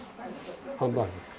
ハンバーグ。